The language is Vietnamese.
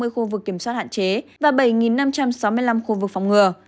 hai bốn trăm sáu mươi khu vực kiểm soát hạn chế và bảy năm trăm sáu mươi năm khu vực phong ngừa